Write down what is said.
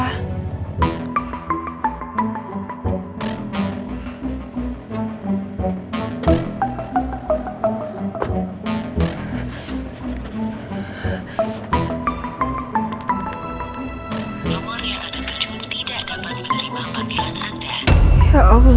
nomor yang ada tujuan tidak dapat menerima panggilan anda